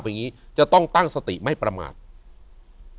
อยู่ที่แม่ศรีวิรัยิลครับ